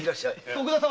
徳田様。